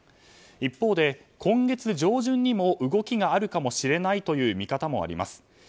一方で、今月上旬にも動きがあるかもしれないという見方もあります。